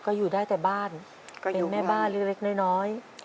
ก็อยู่ได้แต่บ้านเป็นแม่บ้านเล็กน้อย